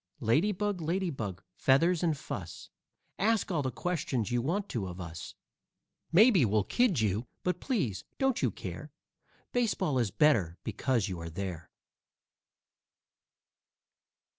Lady Bug, Lady Bug, feathers and fuss, Ask all the questions you want to of us. Maybe we'll kid you, but, please, don't you care; Baseball is better because you are there.